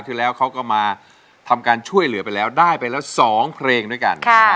ที่แล้วเขาก็มาทำการช่วยเหลือไปแล้วได้ไปแล้ว๒เพลงด้วยกัน